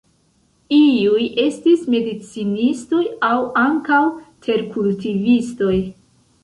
Iuj estis medicinistoj aŭ ankaŭ terkultivistoj.